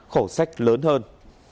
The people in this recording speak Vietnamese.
khổ sách lớn hơn